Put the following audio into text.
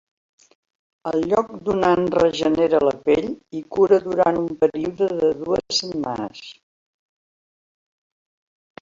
El lloc donant regenera la pell i cura durant un període d dues setmanes.